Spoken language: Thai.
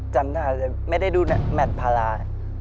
จำได้แต่ไม่ได้ดูแมตรพารา